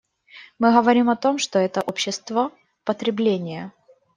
Мы говорим о том, что это общество потребления.